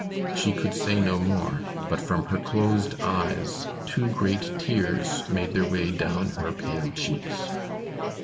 She could say no more, but from her closed eyes two great tears made their way down her pale cheeks.